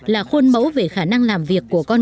là khuôn mẫu về khả năng làm việc của quốc gia